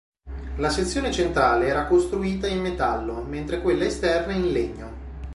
La sezione centrale era costruita in metallo, mentre quella esterna in legno.